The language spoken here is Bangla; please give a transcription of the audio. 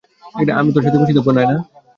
আমি তোর সাথে খুশি থাকবো, নায়না।